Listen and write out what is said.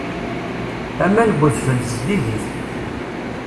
Aman n udfel zeddigit.